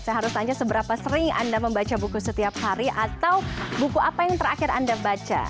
saya harus tanya seberapa sering anda membaca buku setiap hari atau buku apa yang terakhir anda baca